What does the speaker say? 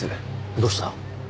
どうした？